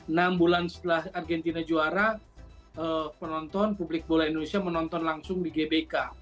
enam bulan setelah argentina juara penonton publik bola indonesia menonton langsung di gbk